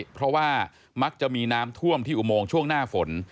เพราะว่ามักจะมีน้ำท่วมที่อุโมงช่วงหน้าฝน